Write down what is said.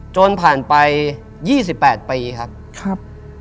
จนผ่านไป๒๘ปีครับ